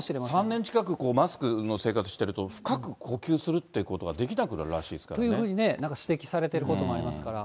３年近く、マスクの生活してると、深く呼吸するってことがでというふうにね、なんか指摘されてることもありますから。